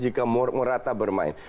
jika morata bermain